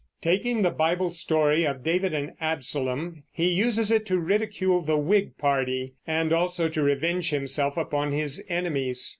Taking the Bible story of David and Absalom, he uses it to ridicule the Whig party and also to revenge himself upon his enemies.